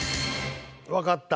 わかった。